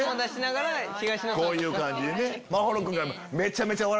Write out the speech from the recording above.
こういう感じでね。